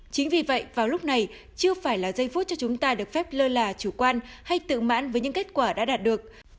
chính vì vậy vào lúc này chưa phải là giây phút cho chúng ta được phép lơ là chủ quan hay tự mãn với những kết quả đã đạt được